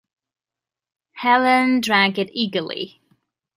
Helene drank it eagerly.